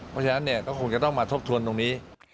เพราะฉะนั้นเนี่ยก็คงจะต้องมาทบทวนตรงนี้